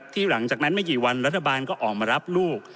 หลังจากนั้นไม่กี่วันรัฐบาลก็ออกมารับลูก